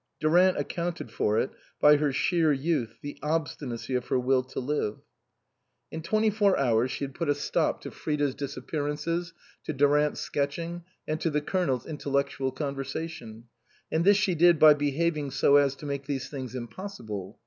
Durant accounted for it by her sheer youth, the obstinacy of her will to live. In twenty four hours she had put a stop to 100 INLAND Frida's disappearances, to Durant's sketching, and to the Colonel's intellectual conversation ; and this she did by behaving so as to make these things impossible.